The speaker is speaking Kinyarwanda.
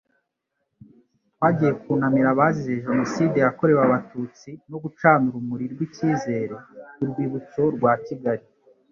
Twagiye Kunamira abazize Jenoside y’akorewe abatutsi no gucana urumuri rw Icyizere ku rwibutso rwa Kigali